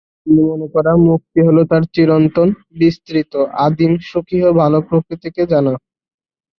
অজ্ঞতা হল এটাকে মন্দ মনে করা, মুক্তি হল তার চিরন্তন, বিস্তৃত, আদিম, সুখী ও ভাল প্রকৃতিকে জানা।